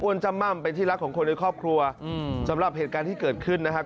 จำม่ำเป็นที่รักของคนในครอบครัวอืมสำหรับเหตุการณ์ที่เกิดขึ้นนะครับ